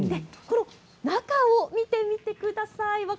この中を見てください。